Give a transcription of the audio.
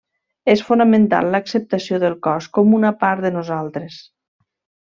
És fonamental l'acceptació del cos com una part de nosaltres.